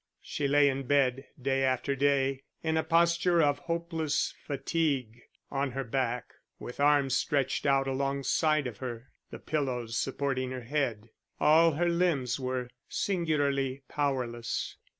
She lay in bed, day after day, in a posture of hopeless fatigue, on her back, with arms stretched out alongside of her, the pillows supporting her head: all her limbs were singularly powerless.